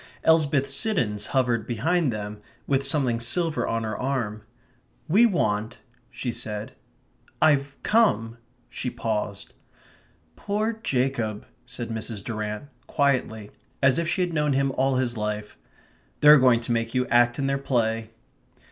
Elsbeth Siddons hovered behind them with something silver on her arm. "We want," she said.... "I've come ..." she paused. "Poor Jacob," said Mrs. Durrant, quietly, as if she had known him all his life. "They're going to make you act in their play."